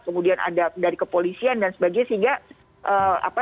kemudian ada dari kepolisian dan sebagainya